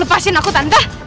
lepasin aku tante